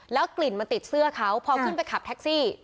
กลิ่นมันติดเสื้อเขาพอขึ้นไปขับแท็กซี่